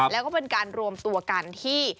แล้วก็เป็นการรวมตัวกันที่